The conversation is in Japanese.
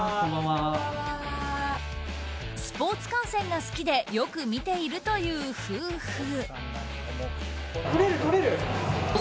スポーツ観戦が好きでよく見ているという夫婦。